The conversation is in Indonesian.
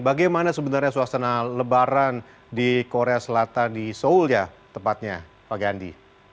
bagaimana sebenarnya suasana lebaran di korea selatan di seoul ya tepatnya pak gandhi